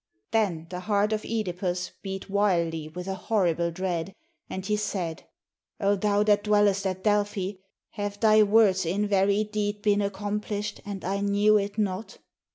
Then the heart of CEdipus beat wildly with a horrible dread, and he said, "0 thou that dwellest at Delphi, have thy words in very deed been accomplished and I knew it not?"